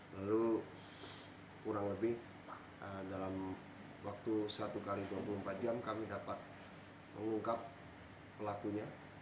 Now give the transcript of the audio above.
lalu kurang lebih dalam waktu satu x dua puluh empat jam kami dapat mengungkap pelakunya